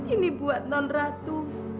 ini buat non ratu